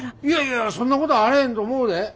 いやいやそんなことあれへんと思うで。